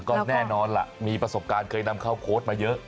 ก็แน่นอนล่ะมีประสบการณ์เคยนำเข้าโค้ดมาเยอะ